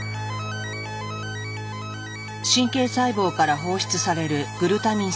神経細胞から放出されるグルタミン酸。